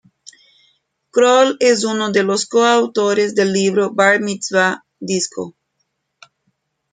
Kroll es uno de los co-autores del libro "Bar Mitzvah Disco".